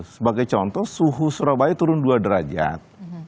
sebagai contoh suhu surabaya turun dua derajat